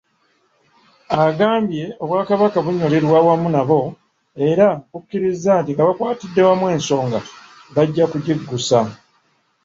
Agambye Obwakabaka bunyolerwa wamu nabo era bukkiriza nti nga bakwatidde wamu ensonga, bajja kugiggusa.